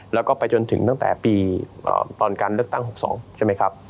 แล้วก็ไปจนถึงตั้งแต่ปีตอนการเลือกตั้ง๖๒ใช่ไหมครับ